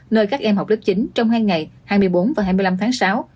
nơi các em học lớp chín trong hai ngày hai mươi bốn và hai mươi năm tháng sáu